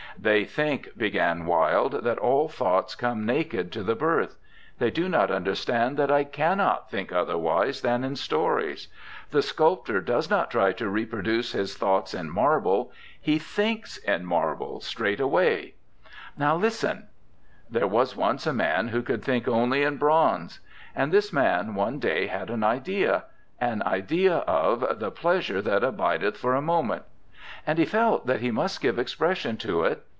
'They think,' began Wilde, 'that all thoughts come naked to the birth. They do not understand that I cannot think otherwise than in stories. The sculptor does not try to reproduce his thoughts in marble; he thinks in marble, straight away. Listen: 'There was once a man who could think only in bronze. And this man one day had an idea, an idea of The Pleasure that Abideth for a Moment. And he felt that he must give expression to it.